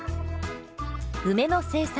梅の生産